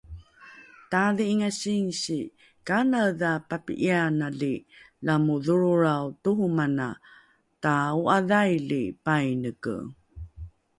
Taadhi'inga sinsi, kanaedha papi'iyanali lamo dholrolrao tohomana ta o'adhaili paineke?